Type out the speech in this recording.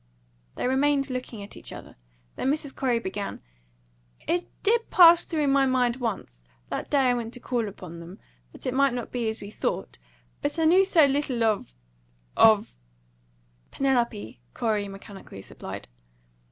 They remained looking at each other. Then Mrs. Corey began: "It did pass through my mind once that day I went to call upon them that it might not be as we thought; but I knew so little of of " "Penelope," Corey mechanically supplied.